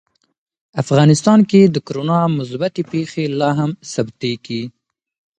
افغانستان کې د کورونا مثبتې پېښې لا هم ثبتېږي.